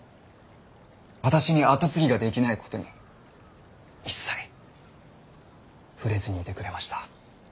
私に跡継ぎができないことに一切触れずにいてくれました。